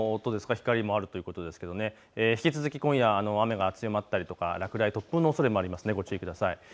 光もあるということですけど引き続き今夜は雨が強まったりとか落雷、突風のおそれもありますのでご注意ください。